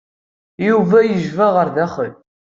Yuba yejba ɣer daxel.